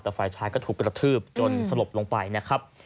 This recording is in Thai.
แต่ฝ่ายชายก็ถูกกระทืบจนสลบลงไปนะครับ